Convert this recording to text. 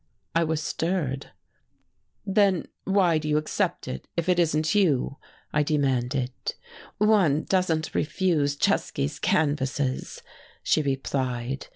I was stirred. "Then why do you accept it, if it isn't you?" I demanded. "One doesn't refuse Czesky's canvases," she replied.